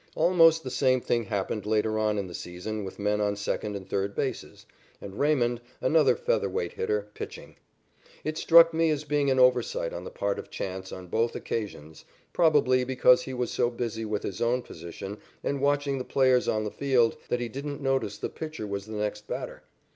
Almost the same thing happened later on in the season with men on second and third bases, and Raymond, another featherweight hitter, pitching. It struck me as being an oversight on the part of Chance on both occasions, probably because he was so busy with his own position and watching the players on the field that he didn't notice the pitcher was the next batter.